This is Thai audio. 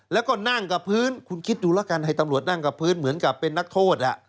แล้วก็นั่งกับพื้นคุณคิดดูแล้วกันให้ตำรวจนั่งกับพื้นเหมือนกับเป็นนักโทษ